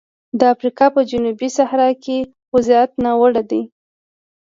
د افریقا په جنوبي صحرا کې وضعیت ناوړه دی.